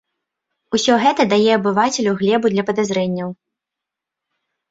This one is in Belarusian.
Усё гэта дае абывацелю глебу для падазрэнняў.